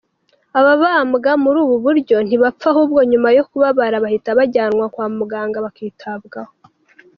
Ababambwa muri ubu buryo ntibapfa ahubwo nyuma yo kubabara bahita bajyanwa kwa mganga bakitabwaho.